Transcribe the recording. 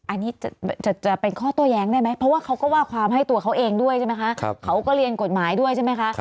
อันนี้จะเป็นข้อโต้แย้งได้ไหมเพราะว่าเขาก็ว่าความให้ตัวเขาเองด้วยใช่ไหมคะเขาก็เรียนกฎหมายด้วยใช่ไหมคะ